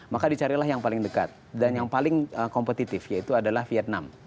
maka dicarilah yang paling dekat dan yang paling kompetitif yaitu adalah vietnam